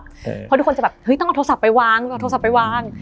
เพราะทุกคนจะแบบถ้าเป็นอนโทษัฟไปวาง